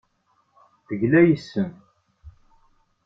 Tegla yes-sent.